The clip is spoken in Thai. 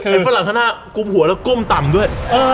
เป็นฝรั่งข้างหน้ากุมหัวแล้วก้มต่ำด้วย